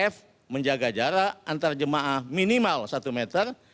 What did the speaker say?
f menjaga jarak antar jemaah minimal satu meter